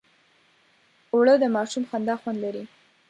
اوړه د ماشوم خندا خوند لري